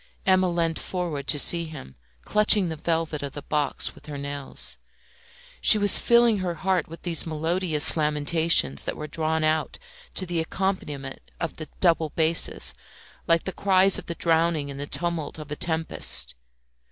Emma leant forward to see him, clutching the velvet of the box with her nails. She was filling her heart with these melodious lamentations that were drawn out to the accompaniment of the double basses, like the cries of the drowning in the tumult of a tempest.